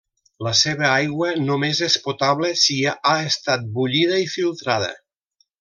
La seva aigua només és potable si ha estat bullida i filtrada.